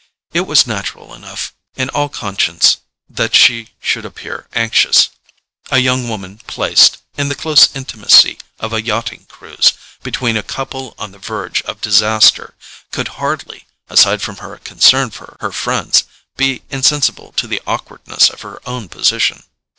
It was natural enough, in all conscience, that she should appear anxious: a young woman placed, in the close intimacy of a yachting cruise, between a couple on the verge of disaster, could hardly, aside from her concern for her friends, be insensible to the awkwardness of her own position.